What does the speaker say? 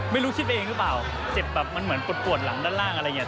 ไม่รู้คิดไปเองหรือเปล่าเจ็บแบบมันเหมือนปวดปวดหลังด้านล่างอะไรอย่างนี้